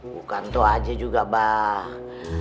bukan itu aja juga mbae